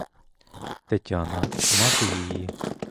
Тетяна — мати її.